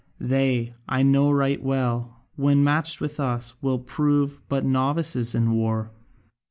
They, I know right well, when matched with us, will prove but novices in war.